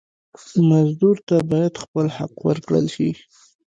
مزدور ته باید خپل حق ورکړل شي.